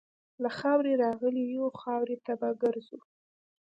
له خاورې راغلي یو، خاورې ته به ګرځو.